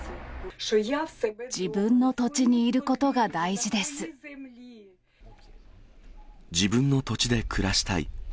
自分の土地にいることが大事自分の土地で暮らしたい。